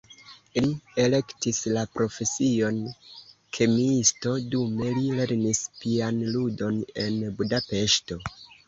Li elektis la profesion kemiisto, dume li lernis pianludon en Budapeŝto.